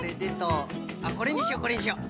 あっこれにしようこれにしよう。